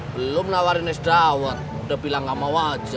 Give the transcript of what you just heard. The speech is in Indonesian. belum nawarin es dawet udah bilang enggak mau aja